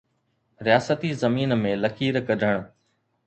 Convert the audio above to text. رياستي زمين ۾ لڪير ڪڍڻ.